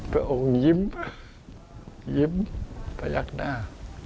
พ่อองค์ยิ้มยิ้มประยักษ์หน้า